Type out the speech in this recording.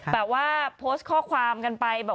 แบบว่าโพสต์ข้อความกันไป